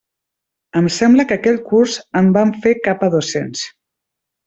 Em sembla que aquell curs en vam fer cap a dos-cents.